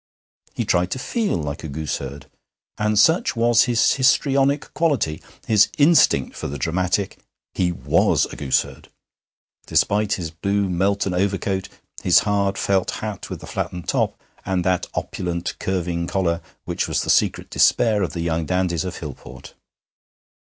He tried to feel like a gooseherd; and such was his histrionic quality, his instinct for the dramatic, he was a gooseherd, despite his blue Melton overcoat, his hard felt hat with the flattened top, and that opulent curving collar which was the secret despair of the young dandies of Hillport.